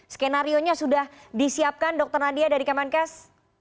skenarionya sudah disiapkan dr nadia dari kemenkes